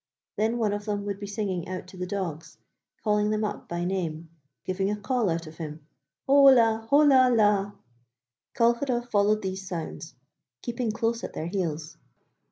Then one of them would be singing out to the dogs, calling them up by name, giving a call out of him: 'Ho la, ho la, la!' Colcheragh followed these sounds, keeping close at their heels.